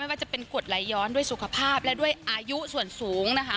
ว่าจะเป็นกฎไหลย้อนด้วยสุขภาพและด้วยอายุส่วนสูงนะคะ